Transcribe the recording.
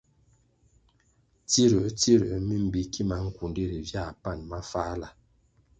Tsiruer - tsiruer mi mbi kima nkundi ri viãh pan mafáhla.